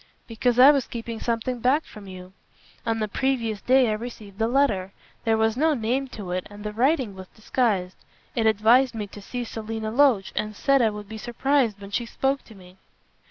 "Because I was keeping something back from you. On the previous day I received a letter. There was no name to it, and the writing was disguised. It advised me to see Selina Loach, and said I would be surprised when she spoke to me."